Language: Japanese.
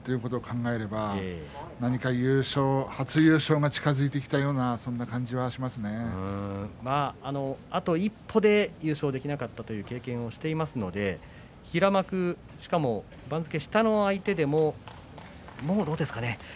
あと２日も平幕との対戦ということを考えれば、何か優勝初優勝が近づいてきたようなあと一歩で優勝できなかったという経験をしていますので平幕、しかも番付下の相手でももうどうですかね。